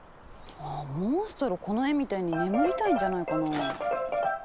あぁモンストロこの絵みたいに眠りたいんじゃないかな。